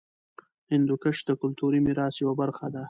هندوکش د کلتوري میراث یوه برخه ده.